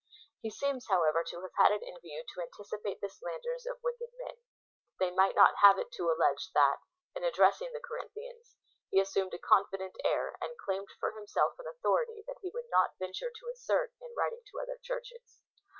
He seems, however, to have had it in view to anticipate the slanders of wicked men, that they might not have it to allege that, in addressing the Corinthians, he assumed a confident air, and claimed for himself an authority that he would not venture to assert in writing to other Churches.